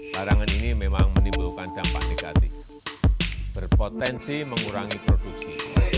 larangan ini memang menimbulkan dampak negatif berpotensi mengurangi produksi